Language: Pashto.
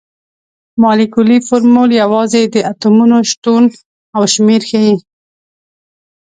مالیکولي فورمول یوازې د اتومونو شتون او شمیر ښيي.